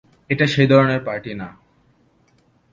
এটা সেই ধরনের পার্টি না।